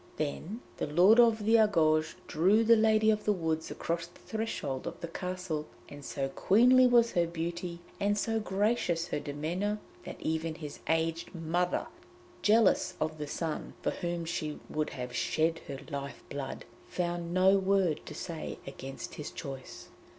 Then the Lord of the Argouges drew the Lady of the Woods across the threshold of the castle, and so queenly was her beauty and so gracious her demeanour, that even his aged mother, jealous of the son for whom she would have shed her life blood, found no word to say against his choice.